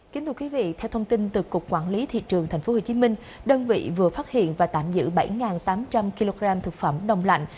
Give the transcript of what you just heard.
kính thưa quý vị theo thông tin từ cục quản lý thị trường tp hcm đơn vị vừa phát hiện và tạm giữ bảy tám trăm linh kg thực phẩm đông lạnh